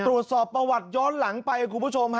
ตรวจสอบประวัติย้อนหลังไปคุณผู้ชมฮะ